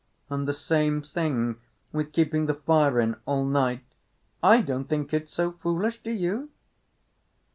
"And the same thing with keeping the fire in all night. I don't think it so foolish—do you?"